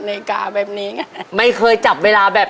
แล้วก็ตักช้อนนะครับ